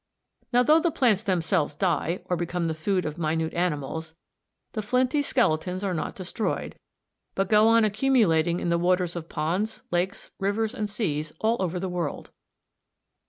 Now though the plants themselves die, or become the food of minute animals, the flinty skeletons are not destroyed, but go on accumulating in the waters of ponds, lakes, rivers, and seas, all over the world.